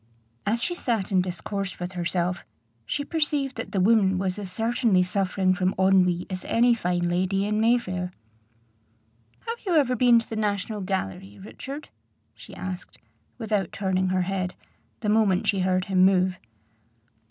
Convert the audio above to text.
As she sat and discoursed with herself, she perceived that the woman was as certainly suffering from ennui as any fine lady in Mayfair. "Have you ever been to the National Gallery, Richard?" she asked, without turning her head, the moment she heard him move.